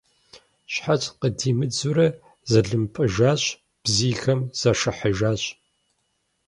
Щхьэц къыдимыдзурэ зэлымпӀыжащ, бзийхэм зашыхьыжащ.